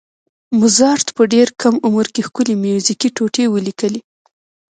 موزارټ په ډېر کم عمر کې ښکلې میوزیکي ټوټې ولیکلې.